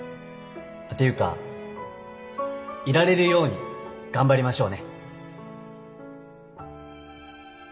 ていうかいられるように頑張りましょうね